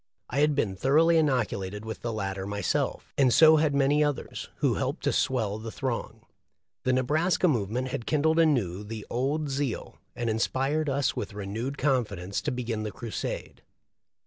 I had been thoroughly inoculated with the latter myself, and so had many others, who helped to swell the throng. The Nebraska move ment had kindled anew the old zeal, and inspired us with renewed confidence to begin the crusade.